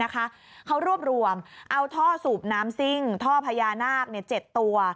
เขารวบรวมเอาท่อสูบน้ำซิ่งท่อพญานาค๗ตัว